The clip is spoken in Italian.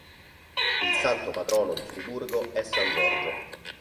Il santo patrono di Friburgo è san Giorgio.